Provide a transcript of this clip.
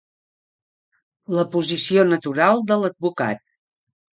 La posició natural de l'advocat.